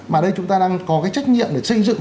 mà đây chúng ta đang có cái trách nhiệm để xây dựng